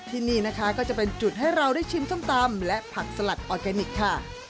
ที่นี่นะคะก็จะเป็นจุดให้เราได้ชิมส้มตำและผักสลัดออร์แกนิคค่ะ